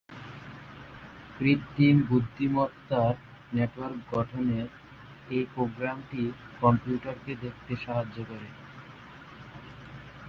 কৃত্রিম বুদ্ধিমত্তার নেটওয়ার্ক গঠনে এই প্রোগ্রামটি কম্পিউটারকে দেখতে সাহায্য করে।